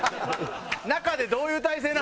中でどういう体勢なんすか？